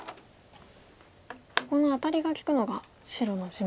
このアタリが利くのが白の自慢ですか。